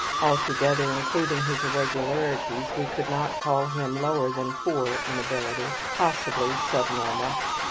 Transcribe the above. Altogether, including his irregularities, we could not call him lower than poor in ability, possibly subnormal.